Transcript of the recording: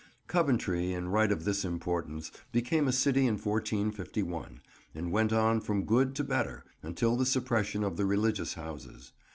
Coventry, in right of this importance, became a city in 1451, and went on from good to better, until the suppression of the religious houses.